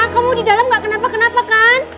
kamu di dalam gak kenapa kenapa kan